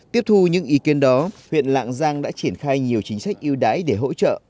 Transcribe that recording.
tiếp thu những ý kiến đó huyện lạng giang đã triển khai nhiều chính sách yêu đái để hỗ trợ